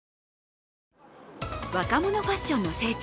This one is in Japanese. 若者ファッションの聖地